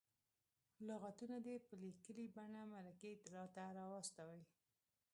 لغتونه دې په لیکلې بڼه مرکې ته راواستوي.